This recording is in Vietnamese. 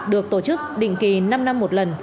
được tổ chức định kỳ năm năm một lần